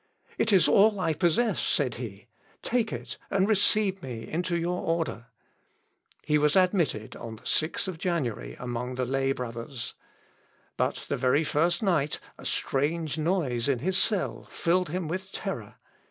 "It is all I possess," said he, "take it, and receive me into your order." He was admitted on the 6th January among the lay brothers. But the very first night a strange noise in his cell filled him with terror.